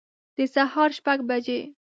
د سهار شپږ بجي